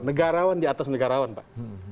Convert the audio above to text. negarawan di atas negarawan pak